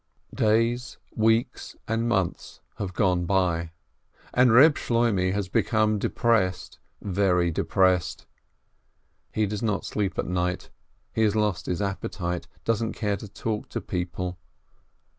Days, weeks, and months have gone by, and Eeb Shloimeh has become depressed, very depressed. He does not sleep at night, he has lost his appetite, doesn't care to talk to people.